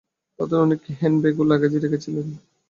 তাদের অনেকে হ্যান্ড ব্যাগও লাগেজে রেখেছিলেন।